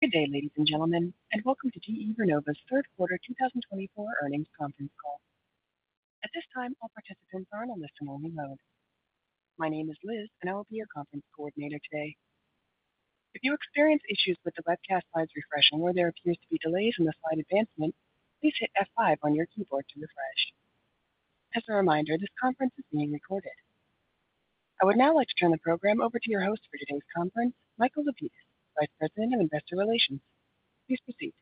Good day, ladies and gentlemen, and welcome to GE Vernova's 3Q 2024 earnings conference call. At this time, all participants are in a listen-only mode. My name is Liz, and I will be your conference coordinator today. If you experience issues with the webcast slides refreshing, or there appears to be delays in the slide advancement, please hit F5 on your keyboard to refresh. As a reminder, this conference is being recorded. I would now like to turn the program over to your host for today's conference, Michael Lapides [Vice President of Investor Relations]. Please proceed.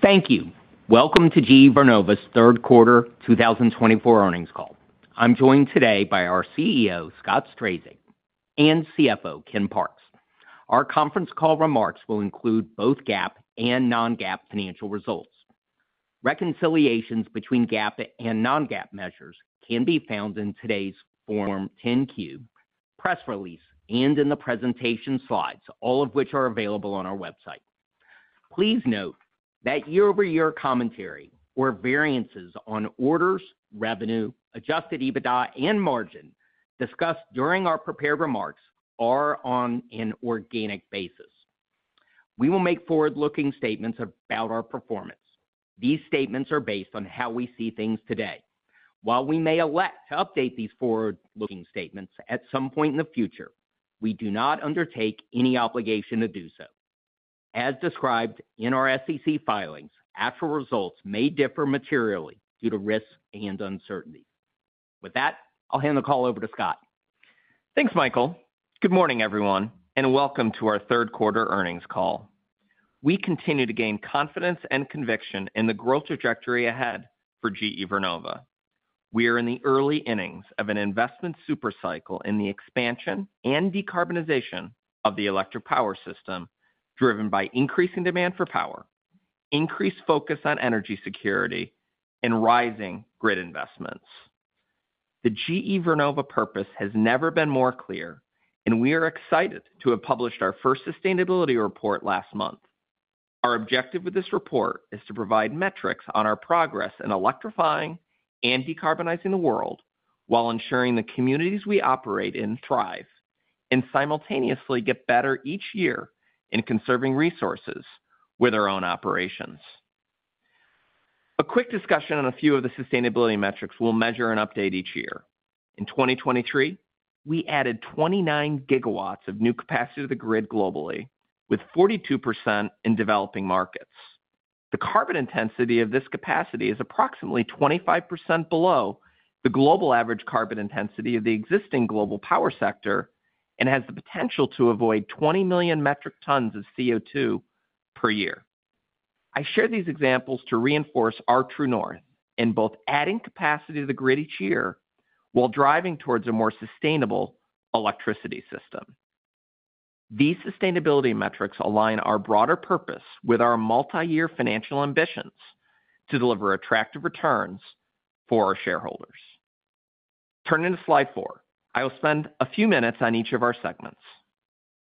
Thank you. Welcome to GE Vernova's 3Q 2024 earnings call. I'm joined today by our [Chief Executive Officer] Scott Strazik, and [Chief Financial Officer] Ken Parks. Our conference call remarks will include both GAAP and non-GAAP financial results. Reconciliations between GAAP and non-GAAP measures can be found in today's Form 10-Q, press release, and in the presentation slides, all of which are available on our website. Please note that year-over-year commentary or variances on orders, revenue, adjusted EBITDA, and margin discussed during our prepared remarks are on an organic basis. We will make forward-looking statements about our performance. These statements are based on how we see things today. While we may elect to update these forward-looking statements at some point in the future, we do not undertake any obligation to do so. As described in our SEC filings, actual results may differ materially due to risks and uncertainties. With that, I'll hand the call over to Scott. Thanks, Michael. Good morning, everyone, and welcome to our 3Q earnings call. We continue to gain confidence and conviction in the growth trajectory ahead for GE Vernova. We are in the early innings of an investment super cycle in the expansion and decarbonization of the electric power system, driven by increasing demand for power, increased focus on energy security, and rising grid investments. The GE Vernova purpose has never been more clear, and we are excited to have published our first sustainability report last month. Our objective with this report is to provide metrics on our progress in electrifying and decarbonizing the world while ensuring the communities we operate in thrive and simultaneously get better each year in conserving resources with our own operations. A quick discussion on a few of the sustainability metrics we'll measure and update each year. In 2023, we added 29 GW of new capacity to the grid globally, with 42% in developing markets. The carbon intensity of this capacity is approximately 25% below the global average carbon intensity of the existing global power sector and has the potential to avoid 20 million metric tons of CO2 per year. I share these examples to reinforce our true north in both adding capacity to the grid each year while driving towards a more sustainable electricity system. These sustainability metrics align our broader purpose with our multi-year financial ambitions to deliver attractive returns for our shareholders. Turning to slide four. I will spend a few minutes on each of our segments.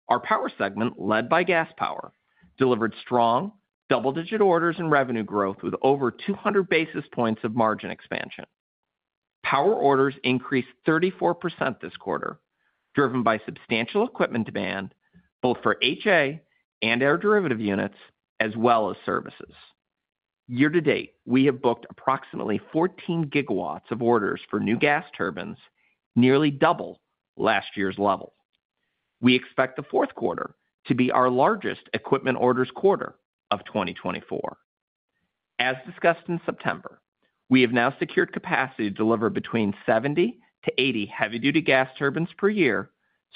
Our power segment, led by gas power, delivered strong double-digit orders and revenue growth with over 200 basis points of margin expansion. Power orders increased 34% this quarter, driven by substantial equipment demand both for HA and aeroderivative units, as well as services. Year to date, we have booked approximately 14 GW of orders for new gas turbines, nearly double last year's level. We expect the 4Q to be our largest equipment orders quarter of 2024. As discussed in September, we have now secured capacity to deliver between 70 to 80 heavy-duty gas turbines per year,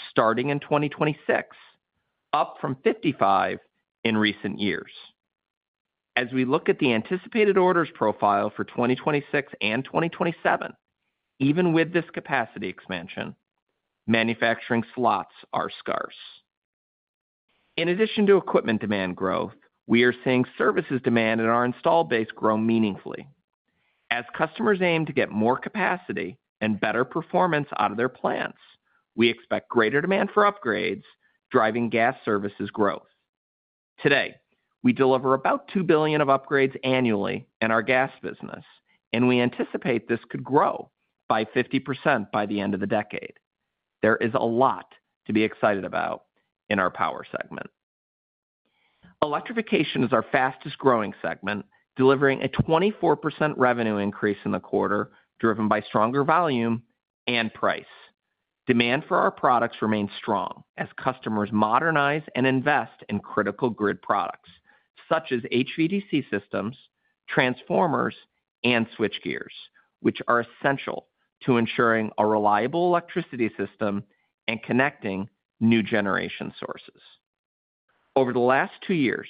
starting in 2026, up from 55 in recent years. As we look at the anticipated orders profile for 2026 and 2027, even with this capacity expansion, manufacturing slots are scarce. In addition to equipment demand growth, we are seeing services demand in our installed base grow meaningfully. As customers aim to get more capacity and better performance out of their plants, we expect greater demand for upgrades, driving gas services growth. Today, we deliver about $2 billion of upgrades annually in our gas business, and we anticipate this could grow by 50% by the end of the decade. There is a lot to be excited about in our power segment. Electrification is our fastest-growing segment, delivering a 24% revenue increase in the quarter, driven by stronger volume and price. Demand for our products remains strong as customers modernize and invest in critical grid products such as HVDC systems, transformers, and switchgear, which are essential to ensuring a reliable electricity system and connecting new generation sources. Over the last two years,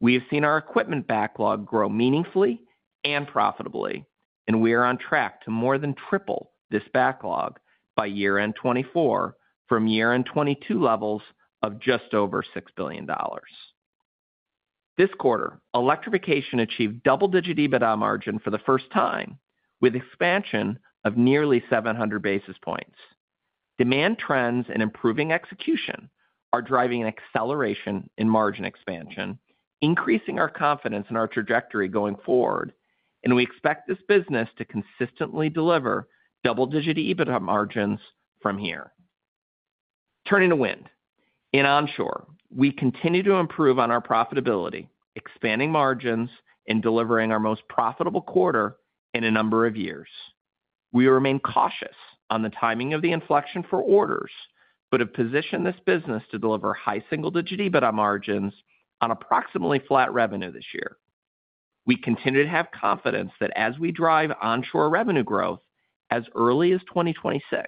we have seen our equipment backlog grow meaningfully and profitably, and we are on track to more than triple this backlog by year-end 2024, from year-end 2022 levels of just over $6 billion. This quarter, electrification achieved double-digit EBITDA margin for the first time, with expansion of nearly 700 basis points. Demand trends and improving execution are driving an acceleration in margin expansion, increasing our confidence in our trajectory going forward, and we expect this business to consistently deliver double-digit EBITDA margins from here. Turning to wind. In onshore, we continue to improve on our profitability, expanding margins and delivering our most profitable quarter in a number of years. We remain cautious on the timing of the inflection for orders, but have positioned this business to deliver high single-digit EBITDA margins on approximately flat revenue this year. We continue to have confidence that as we drive onshore revenue growth, as early as 2026,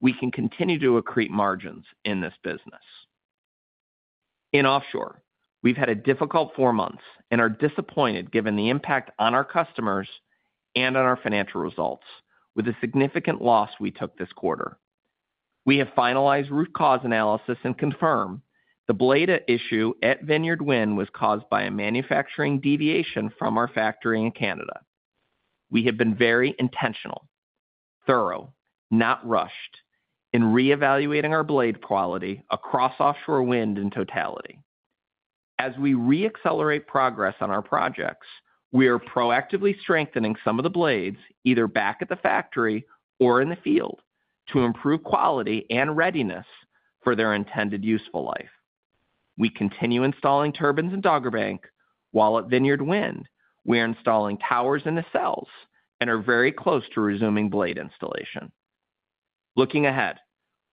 we can continue to accrete margins in this business. In offshore, we've had a difficult four months and are disappointed given the impact on our customers and on our financial results, with a significant loss we took this quarter. We have finalized root cause analysis and confirm the blade issue at Vineyard Wind was caused by a manufacturing deviation from our factory in Canada. We have been very intentional, thorough, not rushed, in reevaluating our blade quality across offshore wind in totality. As we re-accelerate progress on our projects, we are proactively strengthening some of the blades, either back at the factory or in the field, to improve quality and readiness for their intended useful life. We continue installing turbines in Dogger Bank, while at Vineyard Wind, we are installing towers and nacelles are very close to resuming blade installation. Looking ahead,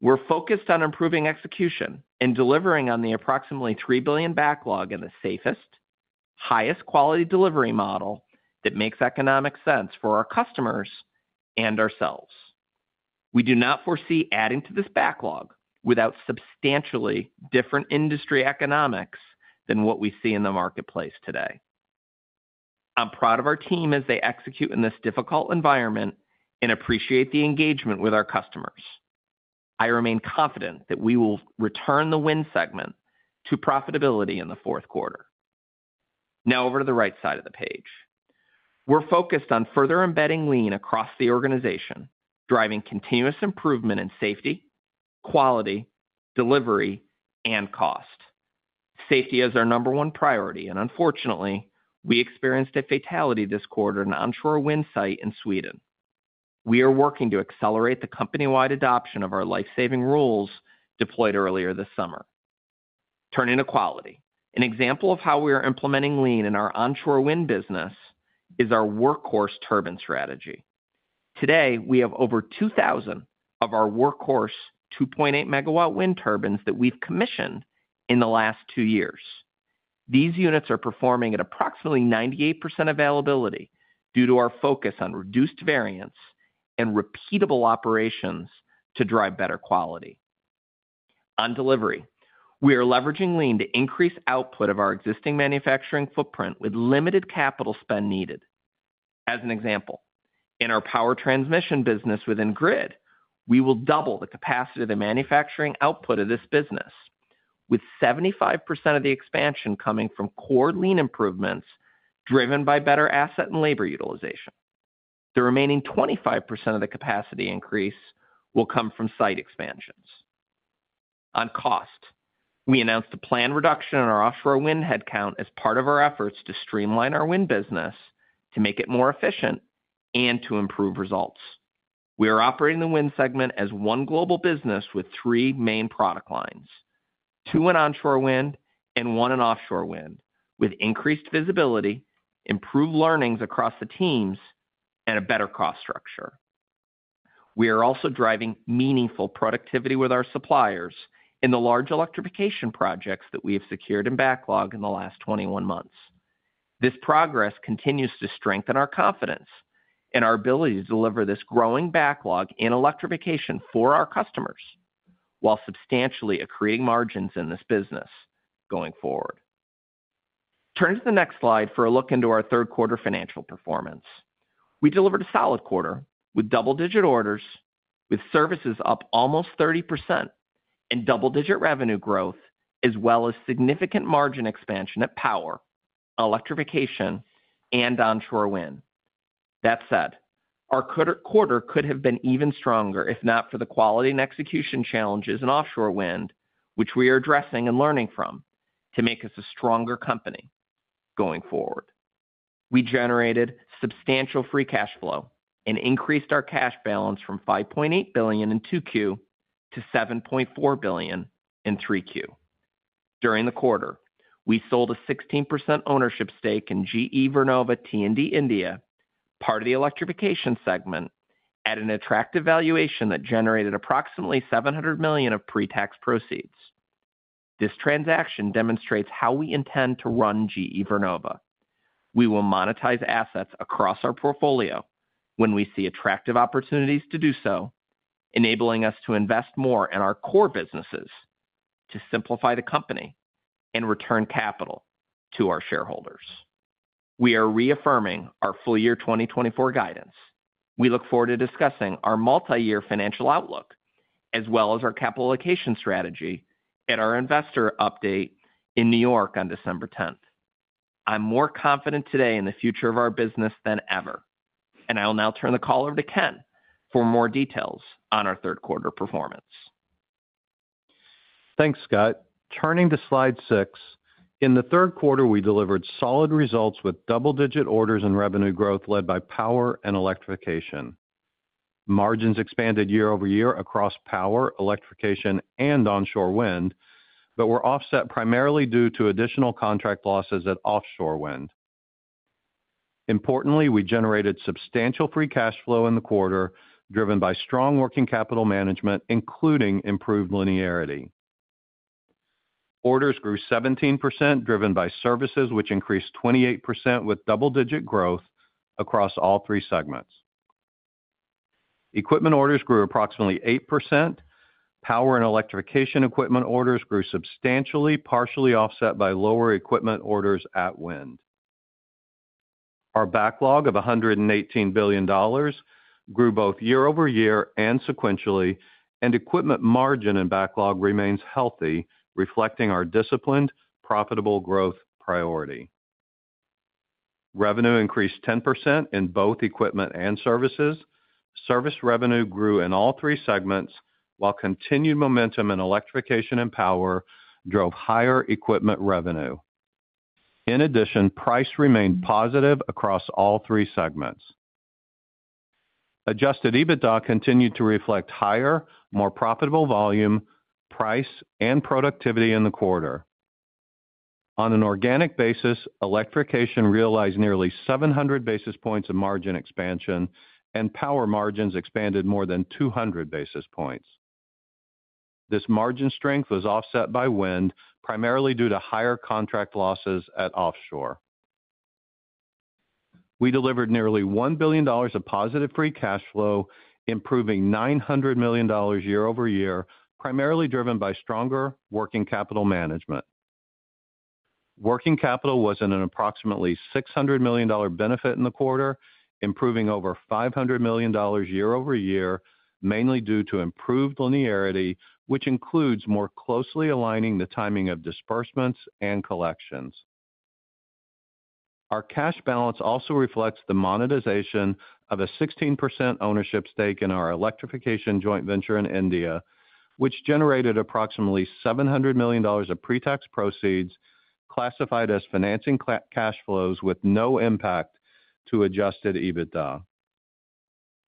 we're focused on improving execution and delivering on the approximately $3 billion backlog in the safest, highest quality delivery model that makes economic sense for our customers and ourselves. We do not foresee adding to this backlog without substantially different industry economics than what we see in the marketplace today. I'm proud of our team as they execute in this difficult environment and appreciate the engagement with our customers. I remain confident that we will return the wind segment to profitability in the 4Q. Now over to the right side of the page. We're focused on further embedding lean across the organization, driving continuous improvement in safety, quality, delivery, and cost. Safety is our number one priority, and unfortunately, we experienced a fatality this quarter at an onshore wind site in Sweden. We are working to accelerate the company-wide adoption of our life-saving rules deployed earlier this summer. Turning to quality. An example of how we are implementing Lean in our onshore wind business is our Workhorse turbine strategy. Today, we have over 2,000 of our Workhorse 2.8-MW wind turbines that we've commissioned in the last two years. These units are performing at approximately 98% availability due to our focus on reduced variance and repeatable operations to drive better quality. On delivery, we are leveraging Lean to increase output of our existing manufacturing footprint with limited capital spend needed. As an example, in our power transmission business within grid, we will double the capacity of the manufacturing output of this business, with 75% of the expansion coming from core Lean improvements, driven by better asset and labor utilization. The remaining 25% of the capacity increase will come from site expansions. On cost, we announced a planned reduction in our offshore wind headcount as part of our efforts to streamline our wind business, to make it more efficient and to improve results. We are operating the wind segment as one global business with three main product lines, two in onshore wind and one in offshore wind, with increased visibility, improved learnings across the teams, and a better cost structure. We are also driving meaningful productivity with our suppliers in the large electrification projects that we have secured in backlog in the last 21 months. This progress continues to strengthen our confidence and our ability to deliver this growing backlog in electrification for our customers, while substantially accreting margins in this business going forward. Turning to the next slide for a look into our 3Q financial performance. We delivered a solid quarter with double-digit orders, with services up almost 30% and double-digit revenue growth, as well as significant margin expansion at power, electrification, and onshore wind. That said, our quarter could have been even stronger, if not for the quality and execution challenges in offshore wind, which we are addressing and learning from to make us a stronger company going forward. We generated substantial free cash flow and increased our cash balance from $5.8 billion in 2Q to $7.4 billion in 3Q. During the quarter, we sold a 16% ownership stake in GE Vernova T&D India, part of the electrification segment, at an attractive valuation that generated approximately $700 million of pre-tax proceeds. This transaction demonstrates how we intend to run GE Vernova. We will monetize assets across our portfolio when we see attractive opportunities to do so, enabling us to invest more in our core businesses, to simplify the company and return capital to our shareholders. We are reaffirming our full year 2024 guidance. We look forward to discussing our multi-year financial outlook, as well as our capital allocation strategy at our investor update in New York on 10 December. I'm more confident today in the future of our business than ever, and I will now turn the call over to Ken for more details on our 3Q performance. Thanks, Scott. Turning to slide six, in the 3Q, we delivered solid results with double-digit orders and revenue growth led by power and electrification. Margins expanded year-over-year across power, electrification, and onshore wind, but were offset primarily due to additional contract losses at offshore wind. Importantly, we generated substantial free cash flow in the quarter, driven by strong working capital management, including improved linearity. Orders grew 17%, driven by services, which increased 28% with double-digit growth across all three segments. Equipment orders grew approximately 8%. Power and electrification equipment orders grew substantially, partially offset by lower equipment orders at wind. Our backlog of $118 billion grew both year-over-year and sequentially, and equipment margin and backlog remains healthy, reflecting our disciplined, profitable growth priority. Revenue increased 10% in both equipment and services. Service revenue grew in all three segments, while continued momentum in electrification and power drove higher equipment revenue. In addition, price remained positive across all three segments. Adjusted EBITDA continued to reflect higher, more profitable volume, price, and productivity in the quarter. On an organic basis, electrification realized nearly 700 basis points of margin expansion, and power margins expanded more than 200 basis points. This margin strength was offset by wind, primarily due to higher contract losses at offshore. We delivered nearly $1 billion of positive free cash flow, improving $900 million year-over-year, primarily driven by stronger working capital management. Working capital was in an approximately $600 million benefit in the quarter, improving over $500 million year-over-year, mainly due to improved linearity, which includes more closely aligning the timing of disbursements and collections. Our cash balance also reflects the monetization of a 16% ownership stake in our electrification joint venture in India, which generated approximately $700 million of pretax proceeds classified as financing cash flows with no impact to adjusted EBITDA.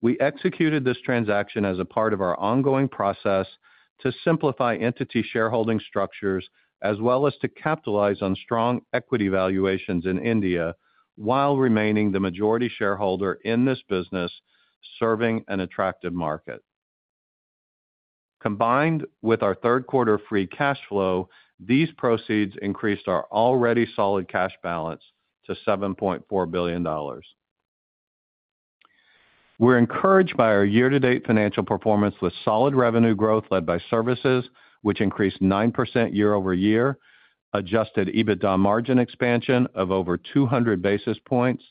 We executed this transaction as a part of our ongoing process to simplify entity shareholding structures, as well as to capitalize on strong equity valuations in India, while remaining the majority shareholder in this business, serving an attractive market. Combined with our 3Q free cash flow, these proceeds increased our already solid cash balance to $7.4 billion. We're encouraged by our year-to-date financial performance with solid revenue growth led by services, which increased 9% year-over-year, adjusted EBITDA margin expansion of over 200 basis points,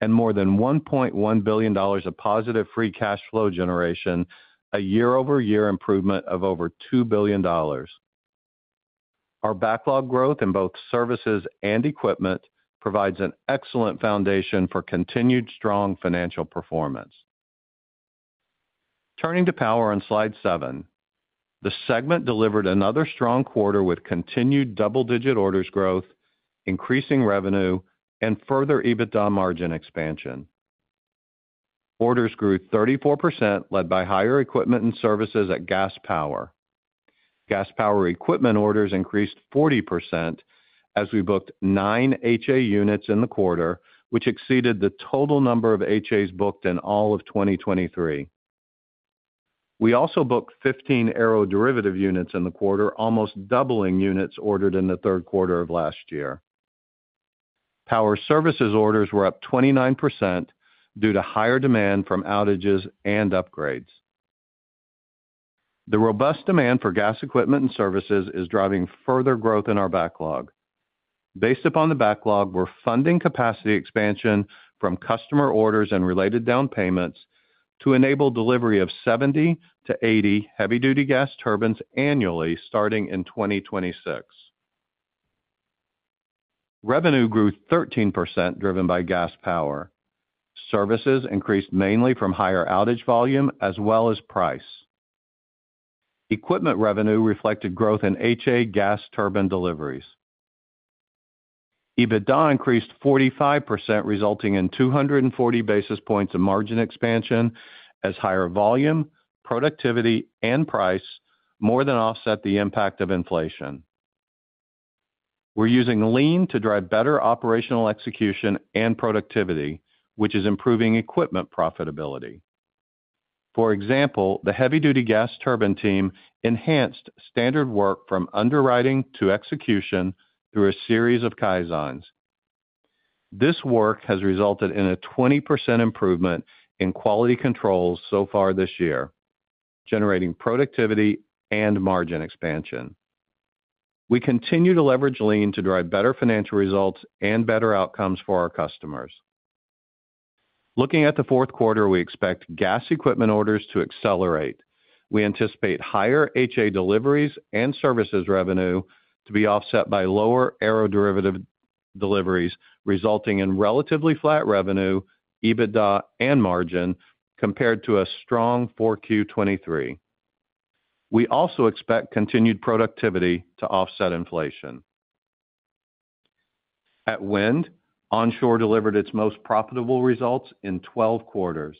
and more than $1.1 billion of positive free cash flow generation, a year-over-year improvement of over $2 billion. Our backlog growth in both services and equipment provides an excellent foundation for continued strong financial performance. Turning to power on slide seven, the segment delivered another strong quarter with continued double-digit orders growth, increasing revenue, and further EBITDA margin expansion. Orders grew 34%, led by higher equipment and services at gas power. Gas power equipment orders increased 40% as we booked 9 HA units in the quarter, which exceeded the total number of HAs booked in all of 2023. We also booked 15 aeroderivative units in the quarter, almost doubling units ordered in the 3Q of last year. Power services orders were up 29% due to higher demand from outages and upgrades. The robust demand for gas equipment and services is driving further growth in our backlog. Based upon the backlog, we're funding capacity expansion from customer orders and related down payments to enable delivery of 70 to 80 heavy-duty gas turbines annually, starting in 2026. Revenue grew 13%, driven by gas power. Services increased mainly from higher outage volume as well as price. Equipment revenue reflected growth in HA gas turbine deliveries. EBITDA increased 45%, resulting in 240 basis points of margin expansion as higher volume, productivity, and price more than offset the impact of inflation. We're using Lean to drive better operational execution and productivity, which is improving equipment profitability. For example, the heavy-duty gas turbine team enhanced standard work from underwriting to execution through a series of Kaizens. This work has resulted in a 20% improvement in quality controls so far this year, generating productivity and margin expansion. We continue to leverage Lean to drive better financial results and better outcomes for our customers. Looking at the 4Q, we expect gas equipment orders to accelerate. We anticipate higher HA deliveries and services revenue to be offset by lower aeroderivative deliveries, resulting in relatively flat revenue, EBITDA, and margin compared to a strong 4Q 2023. We also expect continued productivity to offset inflation. At Wind, onshore delivered its most profitable results in 12 quarters,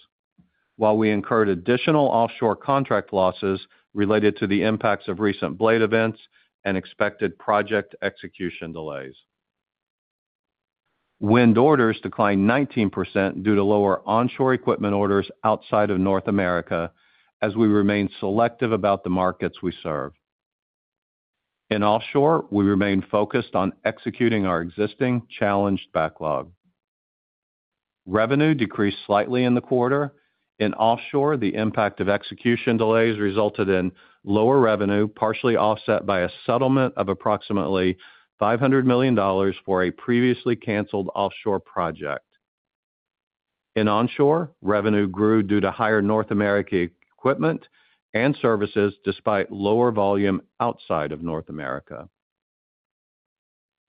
while we incurred additional offshore contract losses related to the impacts of recent blade events and expected project execution delays. Wind orders declined 19% due to lower onshore equipment orders outside of North America, as we remain selective about the markets we serve. In offshore, we remain focused on executing our existing challenged backlog. Revenue decreased slightly in the quarter. In offshore, the impact of execution delays resulted in lower revenue, partially offset by a settlement of approximately $500 million for a previously canceled offshore project. In onshore, revenue grew due to higher North American equipment and services, despite lower volume outside of North America.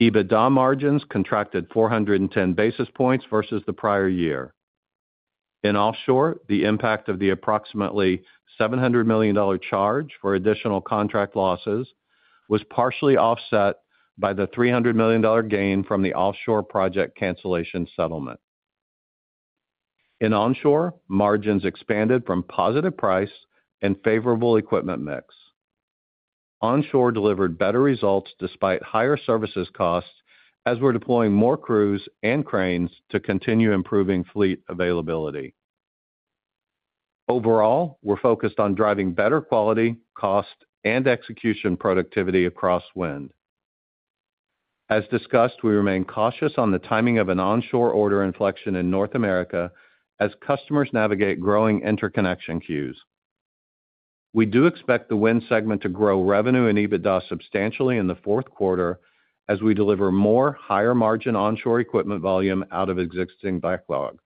EBITDA margins contracted 410 basis points versus the prior year. In offshore, the impact of the approximately $700 million charge for additional contract losses was partially offset by the $300 million gain from the offshore project cancellation settlement. In onshore, margins expanded from positive price and favorable equipment mix. Onshore delivered better results despite higher services costs, as we're deploying more crews and cranes to continue improving fleet availability. Overall, we're focused on driving better quality, cost, and execution productivity across Wind. As discussed, we remain cautious on the timing of an onshore order inflection in North America as customers navigate growing interconnection queues. We do expect the Wind segment to grow revenue and EBITDA substantially in the 4Q as we deliver more higher-margin onshore equipment volume out of existing backlog.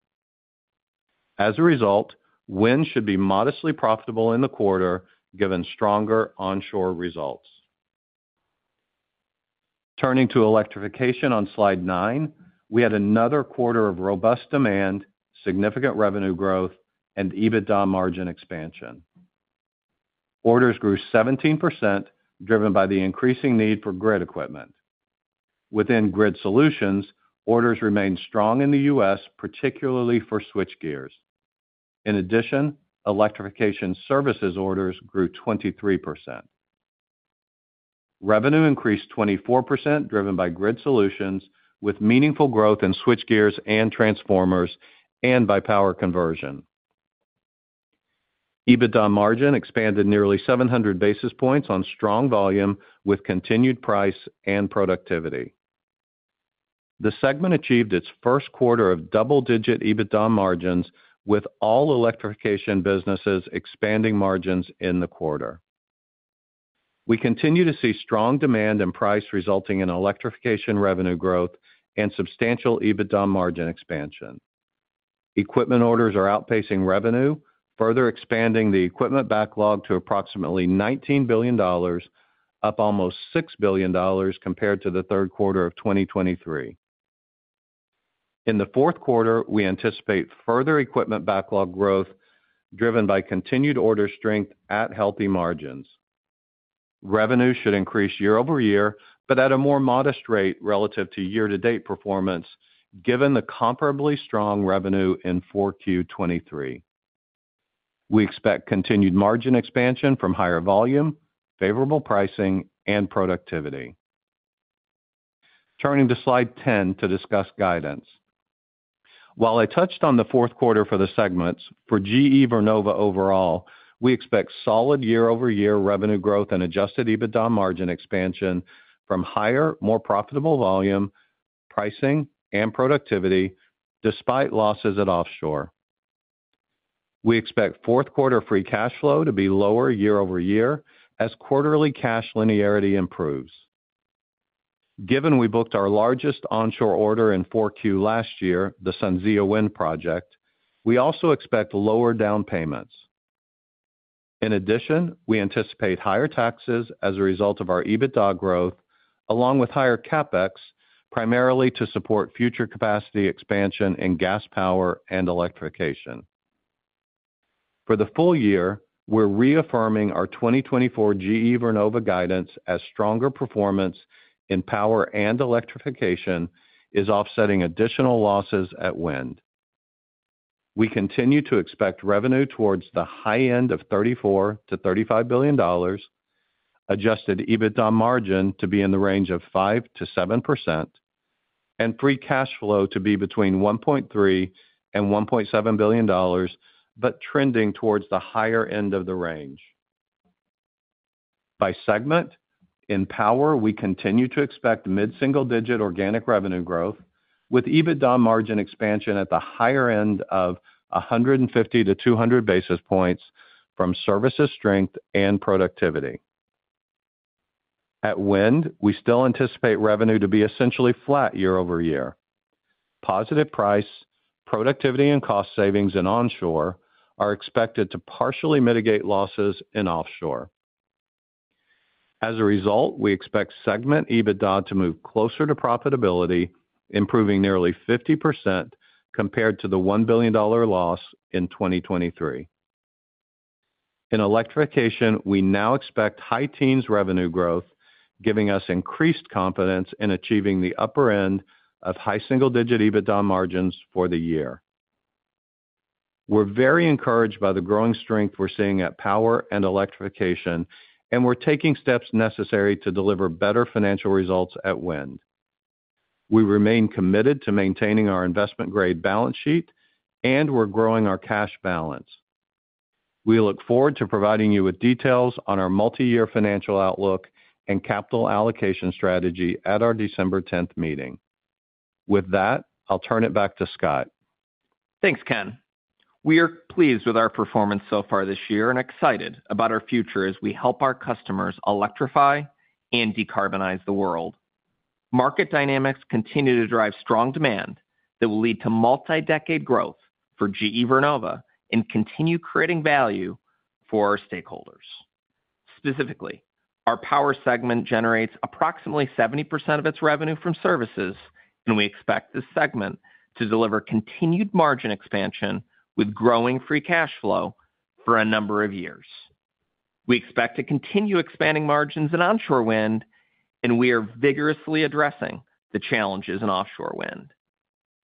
As a result, Wind should be modestly profitable in the quarter, given stronger onshore results. Turning to electrification on slide nine, we had another quarter of robust demand, significant revenue growth, and EBITDA margin expansion. Orders grew 17%, driven by the increasing need for grid equipment. Within Grid Solutions, orders remained strong in the U.S., particularly for switchgears. In addition, electrification services orders grew 23%. Revenue increased 24%, driven by Grid Solutions, with meaningful growth in switchgears and transformers, and by power conversion. EBITDA margin expanded nearly seven hundred basis points on strong volume with continued price and productivity. The segment achieved its 1Q of double-digit EBITDA margins, with all electrification businesses expanding margins in the quarter. We continue to see strong demand and price resulting in electrification, revenue growth, and substantial EBITDA margin expansion. Equipment orders are outpacing revenue, further expanding the equipment backlog to approximately $19 billion, up almost $6 billion compared to the 3Q of 2023. In the 4Q, we anticipate further equipment backlog growth, driven by continued order strength at healthy margins. Revenue should increase year-over-year, but at a more modest rate relative to year-to-date performance, given the comparably strong revenue in 4Q 2023. We expect continued margin expansion from higher volume, favorable pricing, and productivity. Turning to slide 10 to discuss guidance. While I touched on the Q4 for the segments, for GE Vernova overall, we expect solid year-over-year revenue growth and adjusted EBITDA margin expansion from higher, more profitable volume, pricing, and productivity, despite losses at offshore. We expect 4Q free cash flow to be lower year-over-year as quarterly cash linearity improves. Given we booked our largest onshore order in Q4 last year, the SunZia Wind Project, we also expect lower down payments. In addition, we anticipate higher taxes as a result of our EBITDA growth, along with higher CapEx, primarily to support future capacity expansion in gas power and electrification. For the full year, we're reaffirming our 2024 GE Vernova guidance as stronger performance in power and electrification is offsetting additional losses at Wind. We continue to expect revenue towards the high end of $34-$35 billion, adjusted EBITDA margin to be in the range of 5%-7%, and free cash flow to be between $1.3 billion and $1.7 billion, but trending towards the higher end of the range. By segment, in Power, we continue to expect mid-single-digit organic revenue growth, with EBITDA margin expansion at the higher end of 150 to 200 basis points from services strength and productivity. At Wind, we still anticipate revenue to be essentially flat year-over-year. Positive price, productivity, and cost savings in onshore are expected to partially mitigate losses in offshore. As a result, we expect segment EBITDA to move closer to profitability, improving nearly 50% compared to the $1 billion loss in 2023. In Electrification, we now expect high teens revenue growth, giving us increased confidence in achieving the upper end of high single-digit EBITDA margins for the year. We're very encouraged by the growing strength we're seeing at Power and Electrification, and we're taking steps necessary to deliver better financial results at Wind. We remain committed to maintaining our investment-grade balance sheet, and we're growing our cash balance. We look forward to providing you with details on our multiyear financial outlook and capital allocation strategy at our 10 December meeting. With that, I'll turn it back to Scott. Thanks, Ken. We are pleased with our performance so far this year and excited about our future as we help our customers electrify and decarbonize the world. Market dynamics continue to drive strong demand that will lead to multi-decade growth for GE Vernova and continue creating value for our stakeholders. Specifically, our Power segment generates approximately 70% of its revenue from services, and we expect this segment to deliver continued margin expansion with growing free cash flow for a number of years. We expect to continue expanding margins in onshore wind, and we are vigorously addressing the challenges in offshore wind.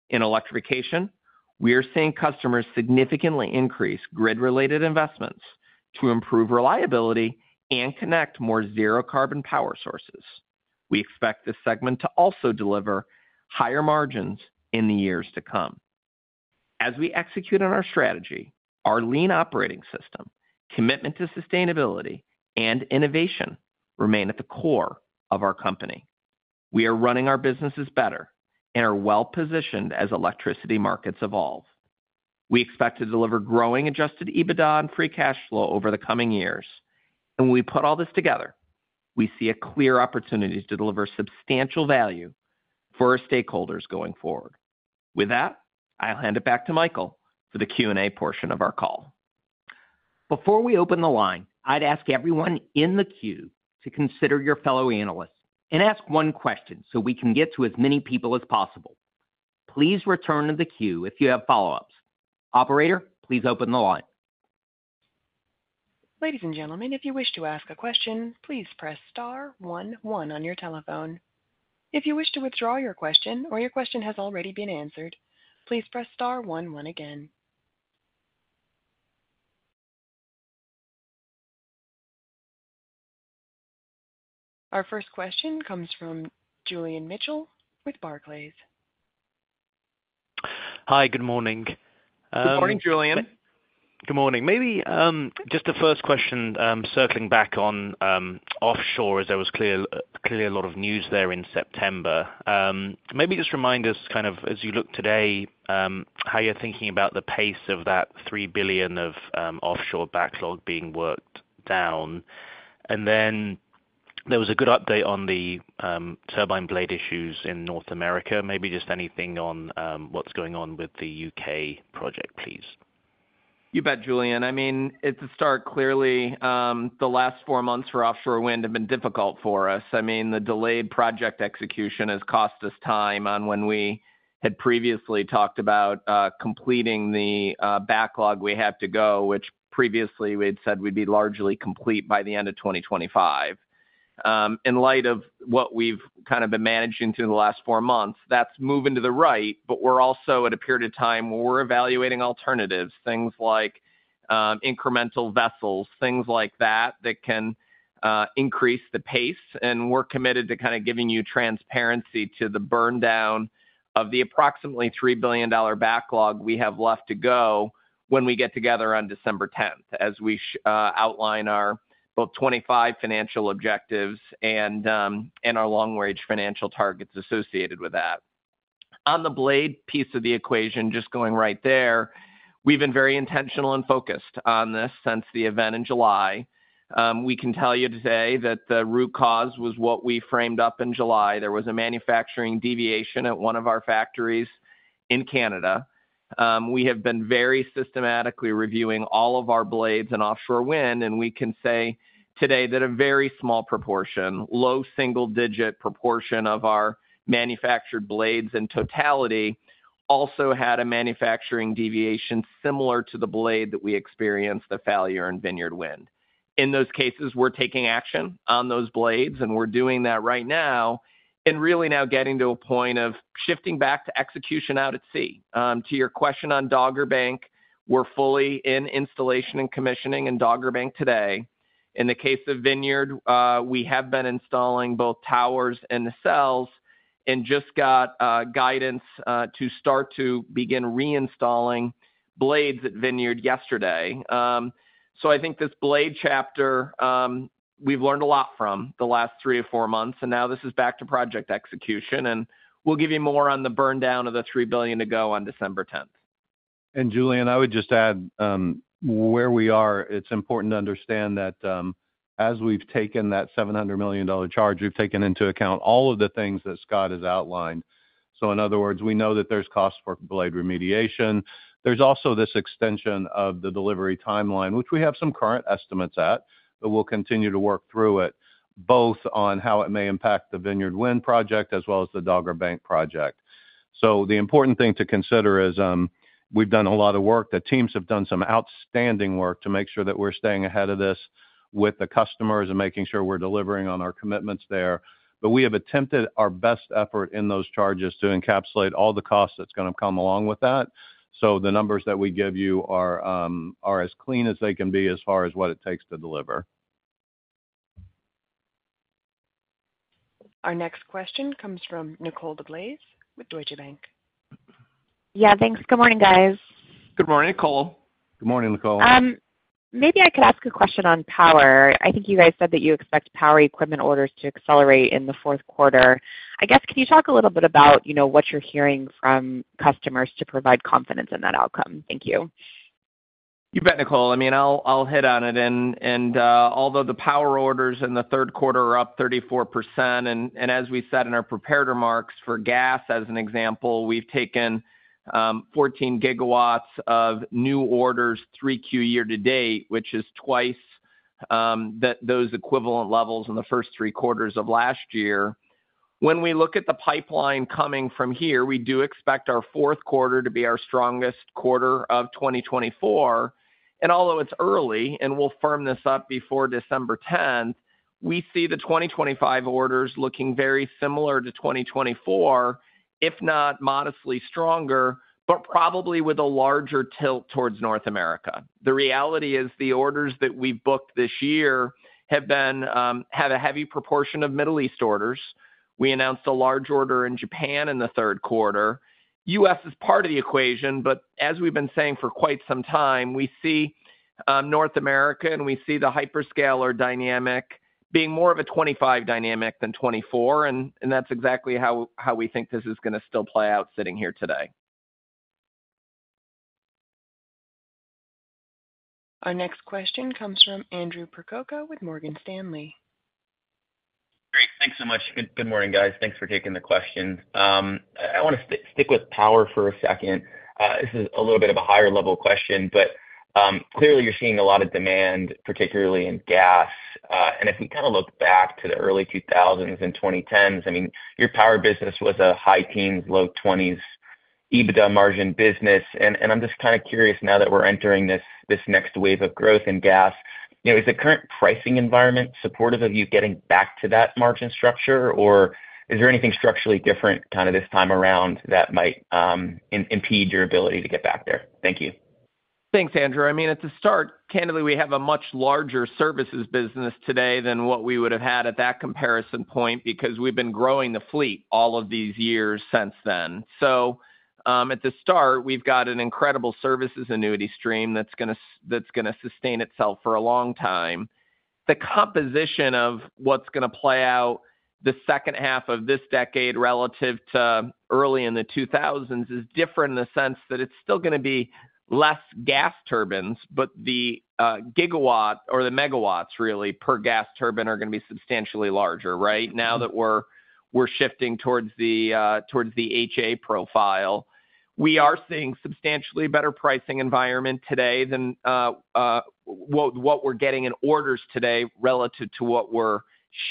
In Electrification, we are seeing customers significantly increase grid-related investments to improve reliability and connect more zero-carbon power sources. We expect this segment to also deliver higher margins in the years to come. As we execute on our strategy, our lean operating system, commitment to sustainability, and innovation remain at the core of our company. We are running our businesses better and are well-positioned as electricity markets evolve. We expect to deliver growing Adjusted EBITDA and Free Cash Flow over the coming years, and when we put all this together, we see a clear opportunity to deliver substantial value for our stakeholders going forward. With that, I'll hand it back to Michael for the Q and A portion of our call. Before we open the line, I'd ask everyone in the queue to consider your fellow analysts and ask one question, so we can get to as many people as possible. Please return to the queue if you have follow-ups. Operator, please open the line. Ladies and gentlemen, if you wish to ask a question, please press star one, one on your telephone. If you wish to withdraw your question or your question has already been answered, please press star one, one again. Our first question comes from Julian Mitchell with Barclays. Hi, good morning, Good morning, Julian. Good morning. Maybe just the first question, circling back on offshore, as there was clearly a lot of news there in September. Maybe just remind us, kind of as you look today, how you're thinking about the pace of that $3 billion of offshore backlog being worked down. And then there was a good update on the turbine blade issues in North America. Maybe just anything on what's going on with the U.K. project, please. You bet, Julian. I mean, it's a start. Clearly, the last four months for offshore wind have been difficult for us. I mean, the delayed project execution has cost us time on when we had previously talked about completing the backlog we have to go, which previously we had said would be largely complete by the end of 2025. In light of what we've kind of been managing through the last four months, that's moving to the right, but we're also at a period of time where we're evaluating alternatives, things like, incremental vessels, things like that, that can increase the pace, and we're committed to kind of giving you transparency to the burn down of the approximately $3 billion backlog we have left to go when we get together on 10 December, as we outline our both 2025 financial objectives and, and our long-range financial targets associated with that. On the blade piece of the equation, just going right there, we've been very intentional and focused on this since the event in July. We can tell you today that the root cause was what we framed up in July. There was a manufacturing deviation at one of our factories in Canada. We have been very systematically reviewing all of our blades in offshore wind, and we can say today that a very small proportion, low single-digit proportion of our manufactured blades in totality, also had a manufacturing deviation similar to the blade that we experienced, the failure in Vineyard Wind. In those cases, we're taking action on those blades, and we're doing that right now and really now getting to a point of shifting back to execution out at sea. To your question on Dogger Bank, we're fully in installation and commissioning in Dogger Bank today. In the case of Vineyard, we have been installing both towers and nacelles and just got guidance to start to begin reinstalling blades at Vineyard yesterday. I think this blade chapter, we've learned a lot from the last three or four months, and now this is back to project execution, and we'll give you more on the burn down of the $3 billion to go on 10 December. Julian, I would just add, where we are, it's important to understand that, as we've taken that $700 million charge, we've taken into account all of the things that Scott has outlined. So in other words, we know that there's costs for blade remediation. There's also this extension of the delivery timeline, which we have some current estimates at, but we'll continue to work through it, both on how it may impact the Vineyard Wind project as well as the Dogger Bank project. So the important thing to consider is, we've done a lot of work. The teams have done some outstanding work to make sure that we're staying ahead of this with the customers and making sure we're delivering on our commitments there. But we have attempted our best effort in those charges to encapsulate all the costs that's gonna come along with that. So the numbers that we give you are as clean as they can be, as far as what it takes to deliver. Our next question comes from Nicole DeBlase with Deutsche Bank. Yeah, thanks. Good morning, guys. Good morning, Nicole. Good morning, Nicole. Maybe I could ask a question on power. I think you guys said that you expect power equipment orders to accelerate in the 4Q. I guess, can you talk a little bit about, you know, what you're hearing from customers to provide confidence in that outcome? Thank you. You bet, Nicole. I mean, I'll hit on it and although the power orders in the 3Q are up 34%, and as we said in our prepared remarks, for gas, as an example, we've taken 14 GW of new orders, 3Q year to date, which is twice those equivalent levels in the first three quarters of last year. When we look at the pipeline coming from here, we do expect our 4Q to be our strongest quarter of 2024, although it's early, and we'll firm this up before 10 December. We see the 2025 orders looking very similar to 2024, if not modestly stronger, but probably with a larger tilt towards North America. The reality is, the orders that we've booked this year have had a heavy proportion of Middle East orders. We announced a large order in Japan in the 3Qr. U.S. is part of the equation, but as we've been saying for quite some time, we see North America, and we see the hyperscaler dynamic being more of a 2025 dynamic than 2024, and that's exactly how we think this is going to still play out sitting here today. Our next question comes from Andrew Percoco with Morgan Stanley. Great. Thanks so much. Good morning, guys. Thanks for taking the questions. I want to stick with power for a second. This is a little bit of a higher level question, but clearly, you're seeing a lot of demand, particularly in gas. And if we kind of look back to the early 2000s and 2010s, I mean, your power business was a high teens, low twenties, EBITDA margin business. And I'm just kind of curious, now that we're entering this next wave of growth in gas, you know, is the current pricing environment supportive of you getting back to that margin structure, or is there anything structurally different kind of this time around that might impede your ability to get back there? Thank you. Thanks, Andrew. I mean, it's a start. Candidly, we have a much larger services business today than what we would have had at that comparison point because we've been growing the fleet all of these years since then. So, at the start, we've got an incredible services annuity stream that's going to sustain itself for a long time. The composition of what's going to play out the 2H of this decade, relative to early in the 2000s, is different in the sense that it's still gonna be less gas turbines, but the GW or the MW really, per gas turbine, are going to be substantially larger, right? Now that we're shifting towards the HA profile. We are seeing substantially better pricing environment today than what we're getting in orders today relative to what we're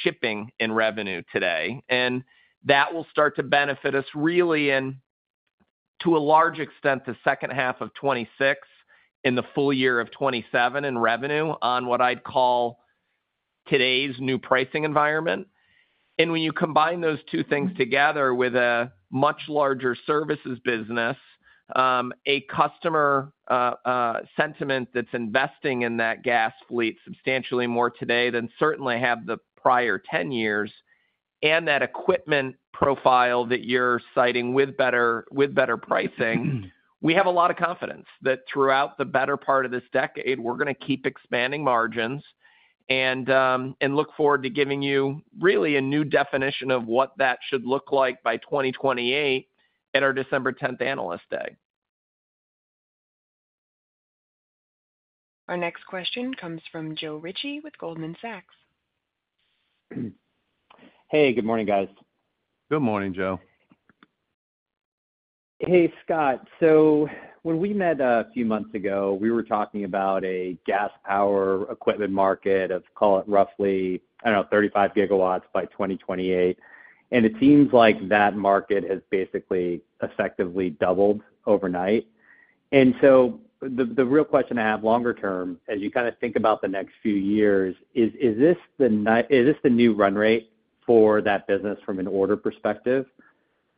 shipping in revenue today. And that will start to benefit us really in, to a large extent, the 2H of 2026 in the full year of 2027 in revenue on what I'd call today's new pricing environment. And when you combine those two things together with a much larger services business, a customer sentiment that's investing in that gas fleet substantially more today than certainly have the prior 10 years, and that equipment profile that you're citing with better pricing, we have a lot of confidence that throughout the better part of this decade, we're going to keep expanding margins and look forward to giving you really a new definition of what that should look like by 2028 at our 10 December Analyst Day. Our next question comes from Joe Ritchie with Goldman Sachs. Hey, good morning, guys. Good morning, Joe. Hey, Scott. So when we met a few months ago, we were talking about a gas power equipment market of, call it roughly, I don't know, 35 GW by 2028, and it seems like that market has basically effectively doubled overnight. And so the real question I have longer term, as you kind of think about the next few years, is, is this the new run rate for that business from an order perspective?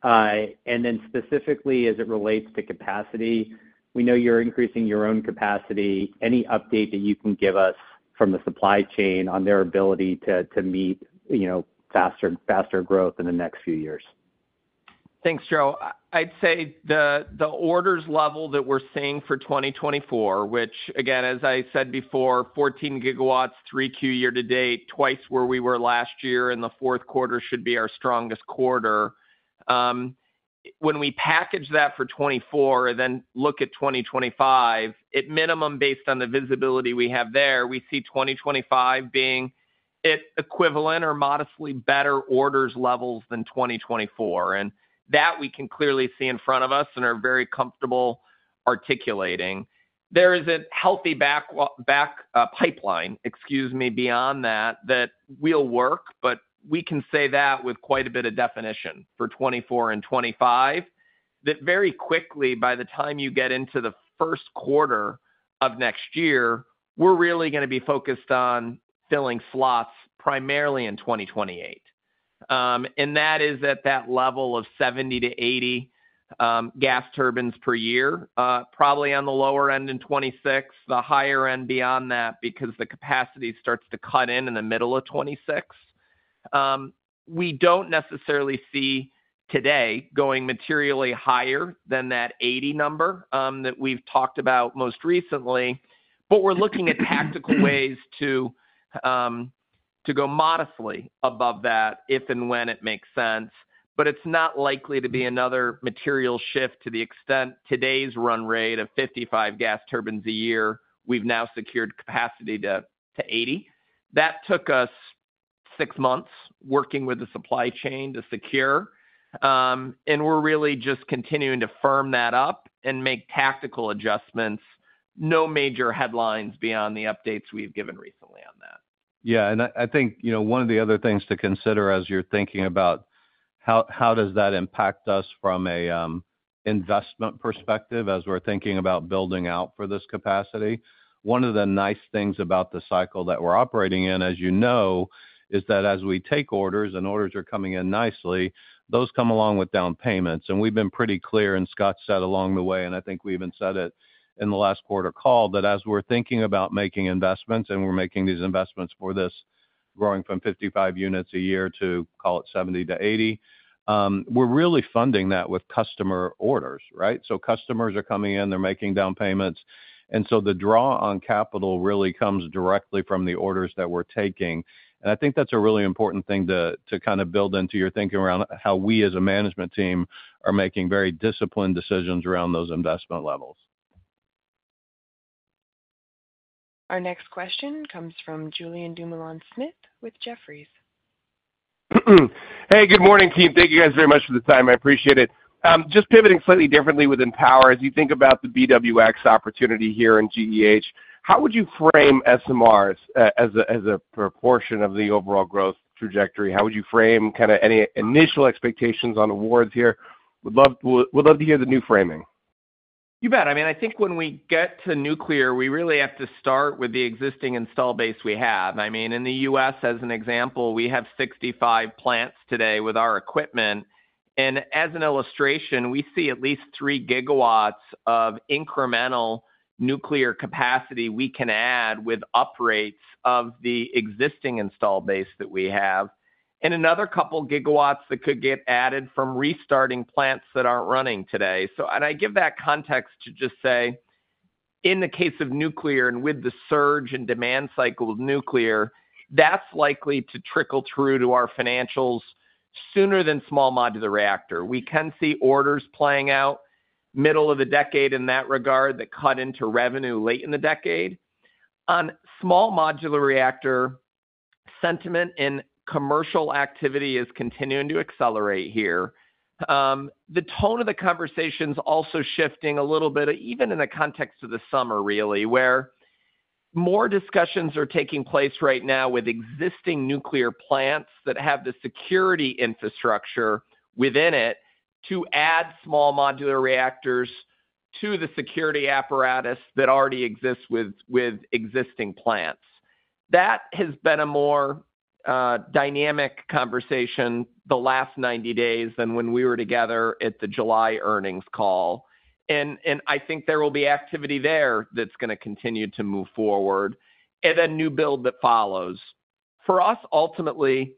And then specifically as it relates to capacity, we know you're increasing your own capacity. Any update that you can give us from the supply chain on their ability to meet, you know, faster growth in the next few years? Thanks, Joe. I'd say the orders level that we're seeing for 2024, which again, as I said before, 14 GW, 3Q year-to-date, twice where we were last year, and the 4Q should be our strongest quarter. When we package that for 2024 and then look at 2025, at minimum, based on the visibility we have there, we see 2025 being at equivalent or modestly better orders levels than 2024, and that we can clearly see in front of us and are very comfortable articulating. There is a healthy backlog pipeline, excuse me, beyond that, that we'll work, but we can say that with quite a bit of definition for 2024 and 2025, that very quickly, by the time you get into the first quarter of next year, we're really going to be focused on filling slots primarily in 2028. And that is at that level of 70-80 gas turbines per year, probably on the lower end in 2026, the higher end beyond that, because the capacity starts to cut in in the middle of 2026. We don't necessarily see today going materially higher than that 80 number that we've talked about most recently, but we're looking at tactical ways to go modestly above that, if and when it makes sense. But it's not likely to be another material shift to the extent today's run rate of 55 gas turbines a year, we've now secured capacity to 80. That took us six months working with the supply chain to secure, and we're really just continuing to firm that up and make tactical adjustments. No major headlines beyond the updates we've given recently on that. Yeah, and I think, you know, one of the other things to consider as you're thinking about how does that impact us from a investment perspective, as we're thinking about building out for this capacity? One of the nice things about the cycle that we're operating in, as you know, is that as we take orders, and orders are coming in nicely, those come along with down payments. And we've been pretty clear, and Scott said along the way, and I think we even said it in the last quarter call, that as we're thinking about making investments, and we're making these investments for this growing from 55 units a year to, call it 70 to 80, we're really funding that with customer orders, right? So customers are coming in, they're making down payments, and so the draw on capital really comes directly from the orders that we're taking. And I think that's a really important thing to kind of build into your thinking around how we as a management team are making very disciplined decisions around those investment levels. Our next question comes from Julien Dumoulin-Smith, with Jefferies. Hey, good morning, team. Thank you guys very much for the time. I appreciate it. Just pivoting slightly differently within Power, as you think about the BWRX opportunity here in GEH, how would you frame SMRs as a proportion of the overall growth trajectory? How would you frame kind of any initial expectations on awards here? Would love to hear the new framing. You bet. I mean, I think when we get to nuclear, we really have to start with the existing installed base we have. I mean, in the U.S., as an example, we have 65 plants today with our equipment, and as an illustration, we see at least of incremental nuclear capacity we can add with uprates of the existing installed base that we have, and another couple gigawatts that could get added from restarting plants that aren't running today. So, and I give that context to just say, in the case of nuclear and with the surge in demand cycle of nuclear, that's likely to trickle through to our financials sooner than small modular reactor. We can see orders playing out middle of the decade in that regard, that cut into revenue late in the decade. On small modular reactor, sentiment and commercial activity is continuing to accelerate here. The tone of the conversation's also shifting a little bit, even in the context of the summer, really, where more discussions are taking place right now with existing nuclear plants that have the security infrastructure within it to add small modular reactors to the security apparatus that already exists with existing plants. That has been a more dynamic conversation the last 90 days than when we were together at the July earnings call, and I think there will be activity there that's going to continue to move forward and a new build that follows. For us, ultimately,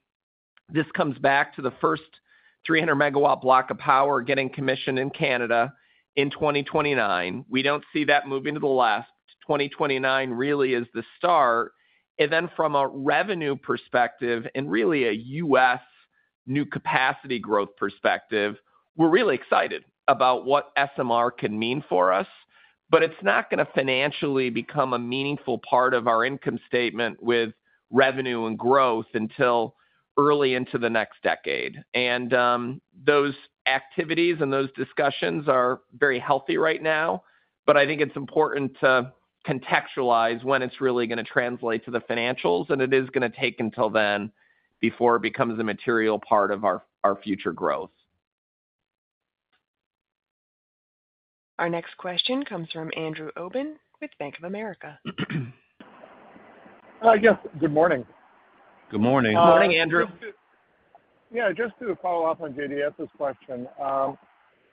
this comes back to the first 300 MW block of power getting commissioned in Canada in 2029. We don't see that moving to the left. 2029 really is the start. From a revenue perspective and really a U.S. new capacity growth perspective, we're really excited about what SMR can mean for us, but it's not going to financially become a meaningful part of our income statement with revenue and growth until early into the next decade. Those activities and those discussions are very healthy right now, but I think it's important to contextualize when it's really going to translate to the financials, and it is going to take until then before it becomes a material part of our future growth. Our next question comes from Andrew Obin, with Bank of America. Yes, good morning. Good morning. Good morning, Andrew. Yeah, just to follow up on JDS's question,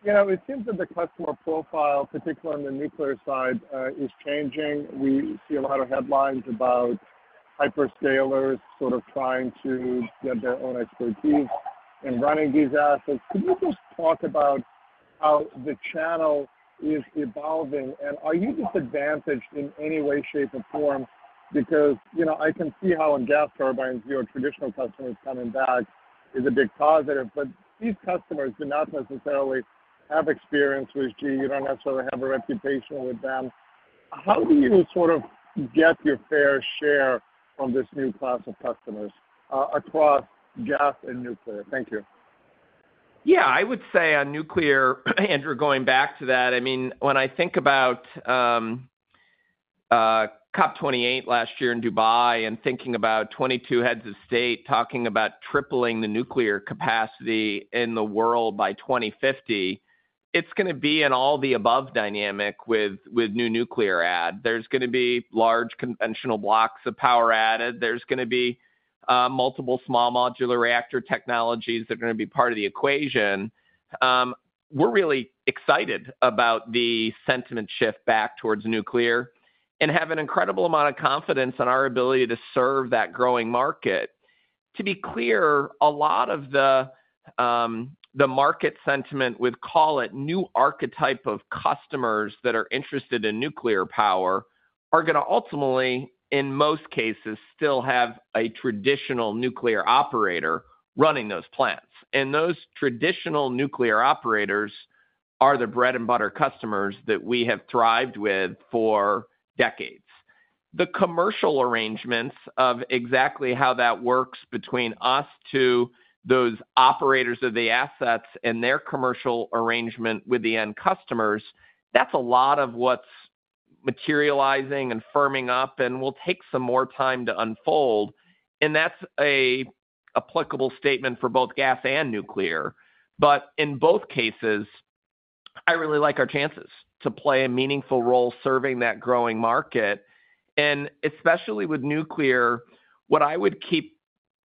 you know, it seems that the customer profile, particularly on the nuclear side, is changing. We see a lot of headlines about hyperscalers sort of trying to get their own expertise in running these assets. Could you just talk about how the channel is evolving, and are you disadvantaged in any way, shape, or form? because, you know, I can see how in gas turbines, your traditional customers coming back is a big positive, but these customers do not necessarily have experience with GE. You don't necessarily have a reputation with them. How do you sort of get your fair share from this new class of customers across gas and nuclear? Thank you. Yeah, I would say on nuclear, Andrew, going back to that, I mean, when I think about, COP 28 last year in Dubai and thinking about 22 heads of state talking about tripling the nuclear capacity in the world by 2050, it's going to be an all the above dynamic with new nuclear add. There's going to be large conventional blocks of power added. There's going to be multiple small modular reactor technologies that are going to be part of the equation. We're really excited about the sentiment shift back towards nuclear and have an incredible amount of confidence in our ability to serve that growing market. To be clear, a lot of the market sentiment, we'd call it new archetype of customers that are interested in nuclear power, are going to ultimately, in most cases, still have a traditional nuclear operator running those plants. And those traditional nuclear operators are the bread-and-butter customers that we have thrived with for decades. The commercial arrangements of exactly how that works between us to those operators of the assets and their commercial arrangement with the end customers, that's a lot of what's materializing and firming up and will take some more time to unfold, and that's a applicable statement for both gas and nuclear. But in both cases, I really like our chances to play a meaningful role serving that growing market. And especially with nuclear, what I would keep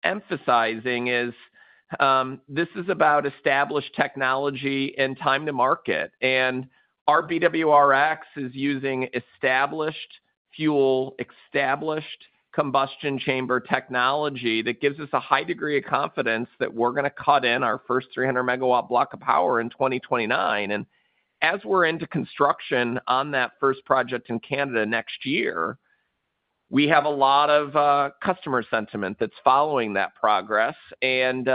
emphasizing is, this is about established technology and time to market. And our BWRX is using established fuel, established combustion chamber technology that gives us a high degree of confidence that we're going to cut in our first 300 MW block of power in 2029. As we're into construction on that first project in Canada next year, we have a lot of customer sentiment that's following that progress and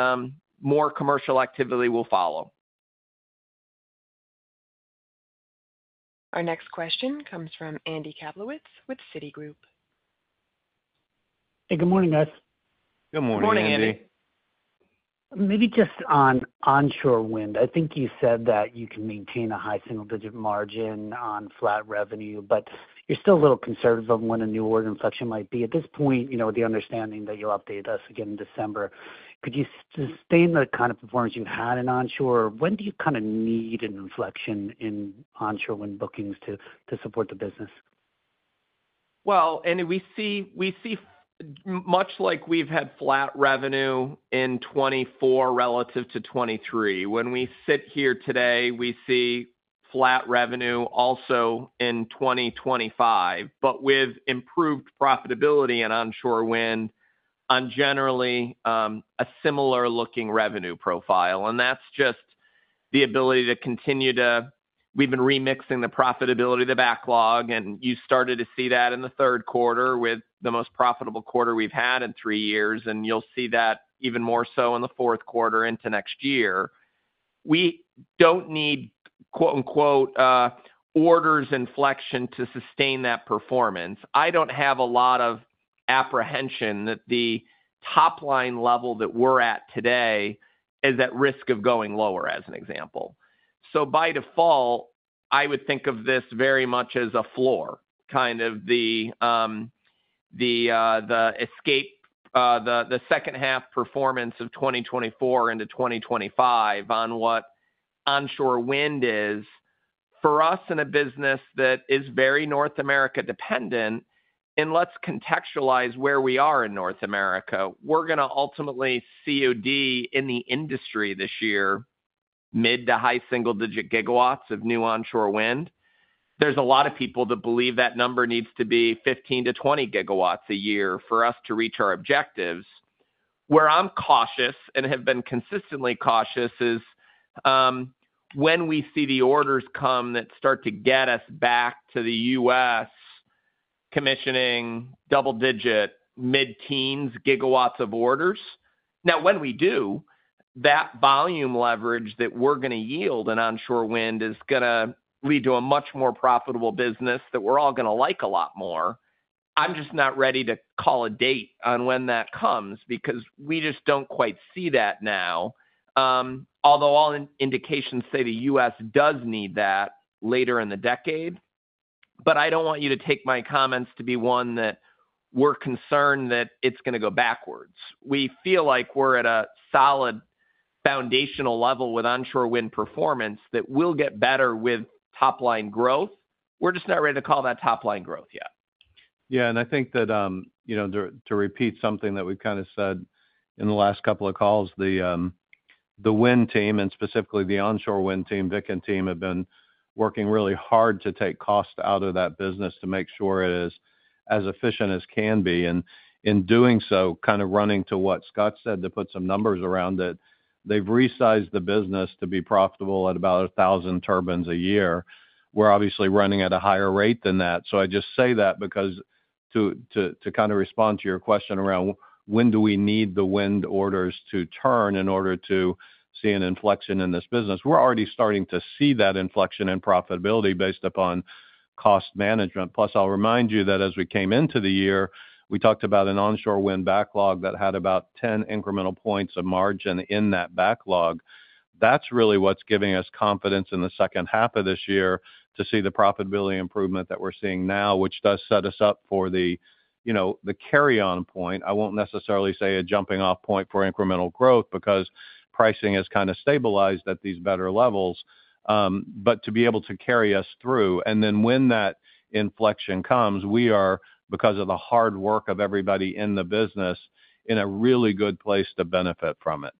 more commercial activity will follow. Our next question comes from Andy Kaplowitz with Citigroup. Hey, good morning, guys. Good morning, Andy. Good morning. Maybe just on onshore wind. I think you said that you can maintain a high single-digit margin on flat revenue, but you're still a little conservative on when a new order inflection might be. At this point, you know, with the understanding that you'll update us again in December, could you sustain the kind of performance you've had in onshore? When do you kind of need an inflection in onshore wind bookings to support the business? Well, and we see, we see much like we've had flat revenue in 2024 relative to 2023. When we sit here today, we see flat revenue also in 2025, but with improved profitability in onshore wind on generally a similar-looking revenue profile. And that's just the ability to continue to—we've been remixing the profitability, the backlog, and you started to see that in the 3Q with the most profitable quarter we've had in three years, and you'll see that even more so in the 4Q into next year. We don't need, quote, unquote, "orders inflection" to sustain that performance. I don't have a lot of apprehension that the top line level that we're at today is at risk of going lower, as an example. By default, I would think of this very much as a floor, kind of the aspect of the 2H performance of 2024 into 2025 on what onshore wind is. For us, in a business that is very North America dependent, and let's contextualize where we are in North America, we're going to ultimately COD in the industry this year, mid- to high-single-digit gigawatts of new onshore wind. There's a lot of people that believe that number needs to be 15-20 GW a year for us to reach our objectives. Where I'm cautious, and have been consistently cautious, is when we see the orders come that start to get us back to the US commissioning double-digit, mid-teens gigawatts of orders. Now, when we do, that volume leverage that we're going to yield in onshore wind is going to lead to a much more profitable business that we're all going to like a lot more. I'm just not ready to call a date on when that comes because we just don't quite see that now, although all indications say the U.S. does need that later in the decade. But I don't want you to take my comments to be one that we're concerned that it's going to go backwards. We feel like we're at a solid foundational level with onshore wind performance that will get better with top line growth. We're just not ready to call that top line growth yet. Yeah, and I think that, you know, to repeat something that we've kind of said in the last couple of calls, the wind team, and specifically the onshore wind team, Vic and team, have been working really hard to take cost out of that business to make sure it is as efficient as can be. And in doing so, kind of running to what Scott said, to put some numbers around it, they've resized the business to be profitable at about a thousand turbines a year. We're obviously running at a higher rate than that. So I just say that because to kind of respond to your question around when do we need the wind orders to turn in order to see an inflection in this business? We're already starting to see that inflection in profitability based upon cost management. Plus, I'll remind you that as we came into the year, we talked about an onshore wind backlog that had about ten incremental points of margin in that backlog. That's really what's giving us confidence in the second half of this year to see the profitability improvement that we're seeing now, which does set us up for the, you know, the carry-on point. I won't necessarily say a jumping off point for incremental growth, because pricing has kind of stabilized at these better levels, but to be able to carry us through. Then when that inflection comes, we are, because of the hard work of everybody in the business, in a really good place to benefit from it.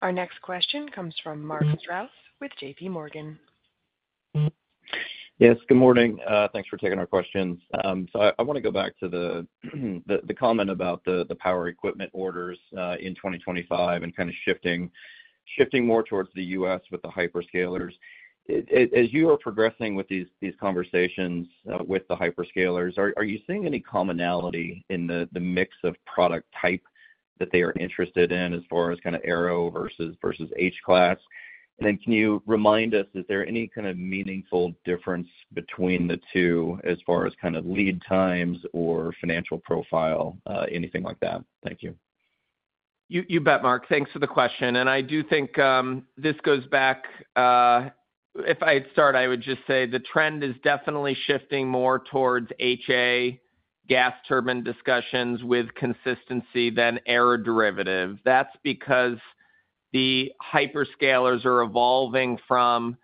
Our next question comes from Mark Strouse with JPMorgan. Yes, good morning. Thanks for taking our questions. So I want to go back to the comment about the power equipment orders in 2025, and kind of shifting more towards the U.S. with the hyperscalers. As you are progressing with these conversations with the hyperscalers, are you seeing any commonality in the mix of product type that they are interested in as far as kind of aero versus H-Class? And then can you remind us, is there any kind of meaningful difference between the two as far as kind of lead times or financial profile, anything like that? Thank you. You bet, Mark. Thanks for the question, and I do think this goes back. If I'd start, I would just say the trend is definitely shifting more towards HA gas turbine discussions with consistency than aeroderivative. That's because the hyperscalers are evolving from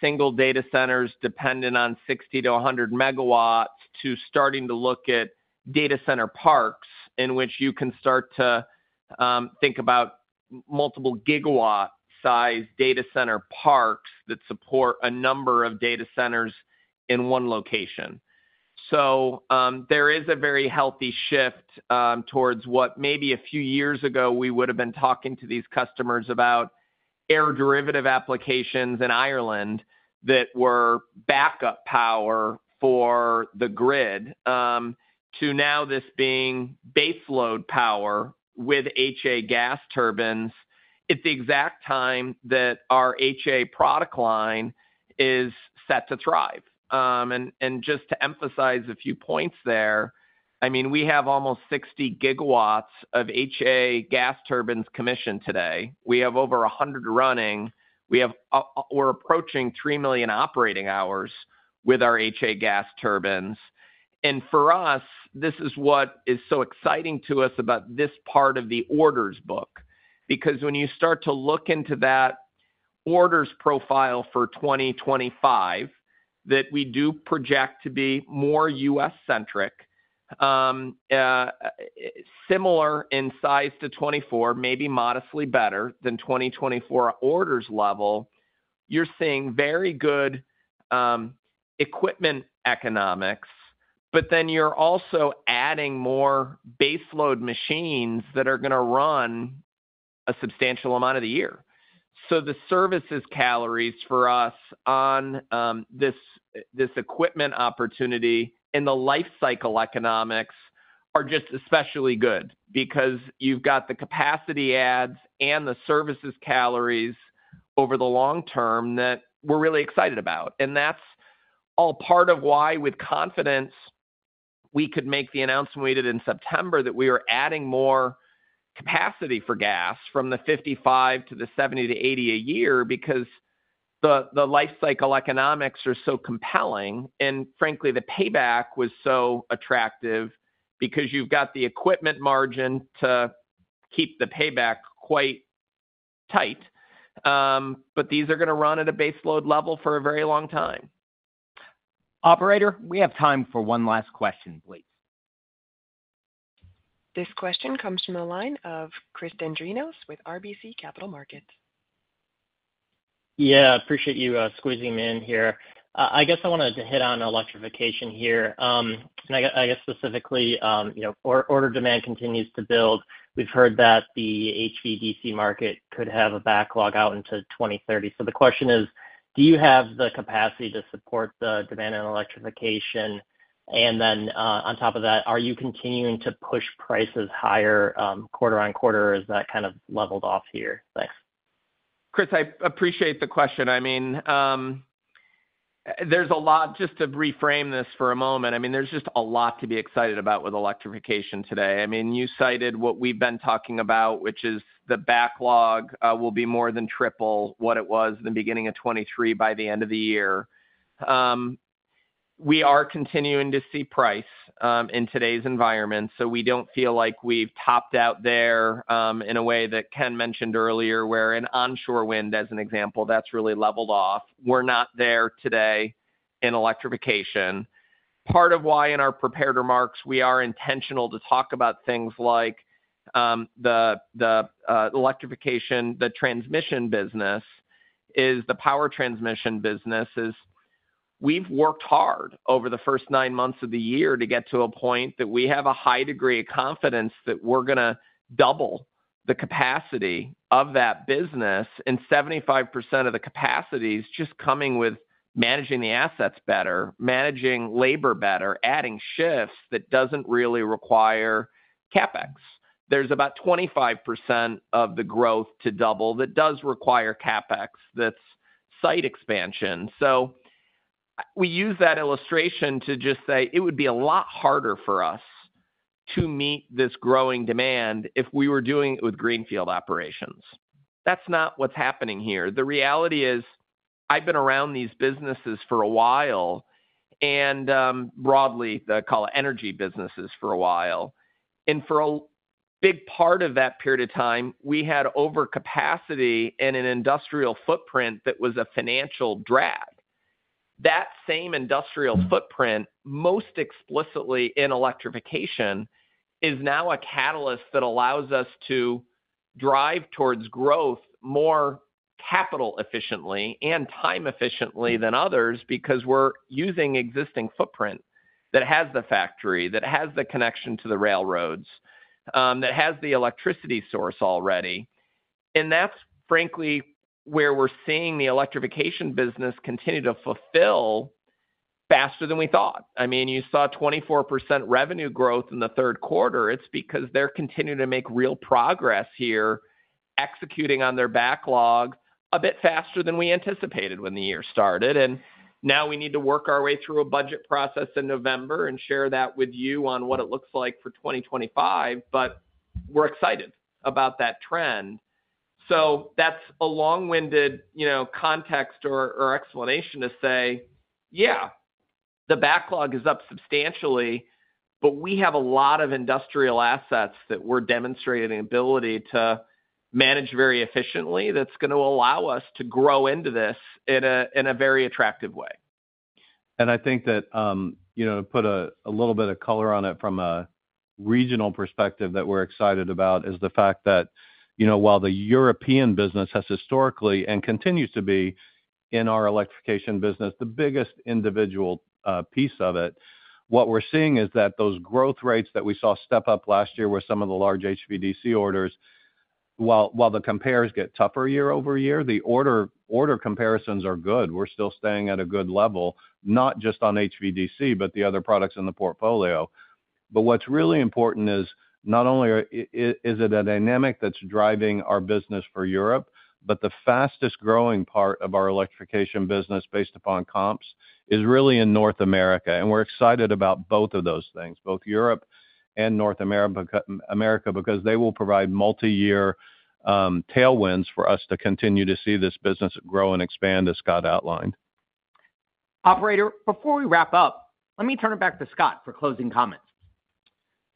single data centers dependent on 60-100 MW, to starting to look at data center parks, in which you can start to think about multiple gigawatt-sized data center parks that support a number of data centers in one location. There is a very healthy shift towards what maybe a few years ago we would've been talking to these customers about aeroderivative applications in Ireland that were backup power for the grid, to now this being baseload power with HA gas turbines at the exact time that our HA product line is set to thrive. And just to emphasize a few points there, I mean, we have almost 60 GW of HA gas turbines commissioned today. We have over 100 running. We're approaching 3 million operating hours with our HA gas turbines. For us, this is what is so exciting to us about this part of the orders book. Because when you start to look into that orders profile for 2025, that we do project to be more U.S.-centric, similar in size to 2024, maybe modestly better than 2024 orders level, you're seeing very good, equipment economics. But then you're also adding more baseload machines that are going to run a substantial amount of the year. So the services calories for us on, this equipment opportunity and the life cycle economics are just especially good, because you've got the capacity adds and the services calories over the long term that we're really excited about. And that's all part of why, with confidence, we could make the announcement we did in September, that we are adding more capacity for gas from the 55 to the 70 to 80 a year, because the life cycle economics are so compelling, and frankly, the payback was so attractive, because you've got the equipment margin to keep the payback quite tight. But these are going to run at a base load level for a very long time. Operator, we have time for one last question, please. This question comes from the line of Chris Dendrinos with RBC Capital Markets. Yeah, appreciate you squeezing me in here. I guess I wanted to hit on electrification here, and I guess specifically, you know, order demand continues to build. We've heard that the HVDC market could have a backlog out into 2030. So the question is: Do you have the capacity to support the demand in electrification? And then, on top of that, are you continuing to push prices higher, quarter on quarter, or is that kind of leveled off here? Thanks. Chris, I appreciate the question. I mean, there's a lot, just to reframe this for a moment, I mean, there's just a lot to be excited about with electrification today. I mean, you cited what we've been talking about, which is the backlog, will be more than triple what it was in the beginning of 2023, by the end of the year. We are continuing to see price, in today's environment, so we don't feel like we've topped out there, in a way that Ken mentioned earlier, where in onshore wind, as an example, that's really leveled off. We're not there today in electrification. Part of why, in our prepared remarks, we are intentional to talk about things like, the electrification, the transmission business, is the power transmission business, is we've worked hard over the first nine months of the year to get to a point that we have a high degree of confidence that we're going to double the capacity of that business, and 75% of the capacity is just coming with managing the assets better, managing labor better, adding shifts that doesn't really require CapEx. There's about 25% of the growth to double that does require CapEx, that's site expansion. So we use that illustration to just say it would be a lot harder for us to meet this growing demand if we were doing it with greenfield operations. That's not what's happening here. The reality is, I've been around these businesses for a while, and, broadly, they're called energy businesses, for a while, and for a big part of that period of time, we had overcapacity and an industrial footprint that was a financial drag. That same industrial footprint, most explicitly in electrification, is now a catalyst that allows us to drive towards growth more capital efficiently and time efficiently than others, because we're using existing footprint that has the factory, that has the connection to the railroads, that has the electricity source already. And that's frankly, where we're seeing the electrification business continue to fulfill faster than we thought. I mean, you saw 24% revenue growth in the third quarter. It's because they're continuing to make real progress here, executing on their backlog a bit faster than we anticipated when the year started. And now we need to work our way through a budget process in November and share that with you on what it looks like for 2025, but we're excited about that trend. So that's a long-winded, you know, context or explanation to say, Yeah, the backlog is up substantially, but we have a lot of industrial assets that we're demonstrating ability to manage very efficiently, that's going to allow us to grow into this in a very attractive way. And I think that, you know, to put a little bit of color on it from a regional perspective that we're excited about, is the fact that, you know, while the European business has historically and continues to be in our electrification business, the biggest individual piece of it. What we're seeing is that those growth rates that we saw step up last year were some of the large HVDC orders. While the compares get tougher year-over-year, the order comparisons are good. We're still staying at a good level, not just on HVDC, but the other products in the portfolio. But what's really important is, not only is it a dynamic that's driving our business for Europe, but the fastest growing part of our electrification business, based upon comps, is really in North America. And we're excited about both of those things, both Europe and North America, because they will provide multi-year tailwinds for us to continue to see this business grow and expand, as Scott outlined. Operator, before we wrap up, let me turn it back to Scott for closing comments.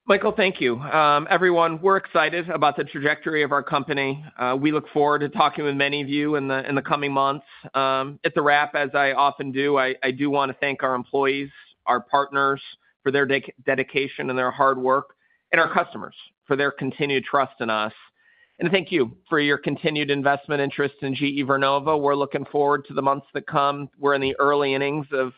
Michael, thank you. Everyone, we're excited about the trajectory of our company. We look forward to talking with many of you in the coming months. At the wrap, as I often do, I do want to thank our employees, our partners, for their dedication and their hard work, and our customers for their continued trust in us. And thank you for your continued investment interest in GE Vernova. We're looking forward to the months to come. We're in the early innings of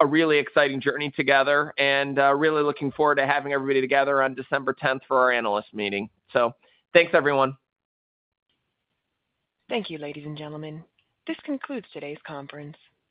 a really exciting journey together, and really looking forward to having everybody together on December tenth for our analyst meeting. So thanks, everyone. Thank you, ladies and gentlemen. This concludes today's conference.